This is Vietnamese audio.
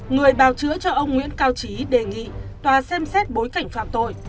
người bào chữa cho ông nguyễn cao trí đề nghị tòa xem xét bối cảnh phạm tội